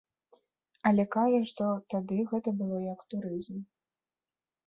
Але кажа, што тады гэта было як турызм.